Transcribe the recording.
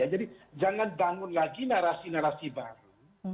jadi jangan bangun lagi narasi narasi baru